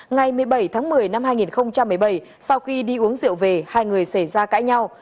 ngày một mươi bảy tháng một mươi năm hai nghìn một mươi bảy sau khi đi uống rượu về hai người xảy ra cãi nhau